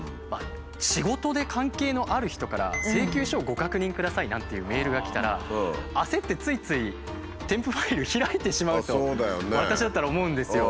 仕事で関係のある人から「請求書をご確認ください」なんていうメールが来たら焦ってついつい添付ファイル開いてしまうと私だったら思うんですよ。